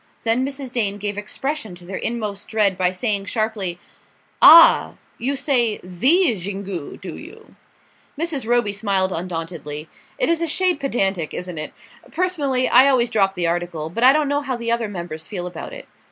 Then Mrs. Dane gave expression to their inmost dread by saying sharply: "Ah you say the Xingu, do you?" Mrs. Roby smiled undauntedly. "It is a shade pedantic, isn't it? Personally, I always drop the article; but I don't know how the other members feel about it."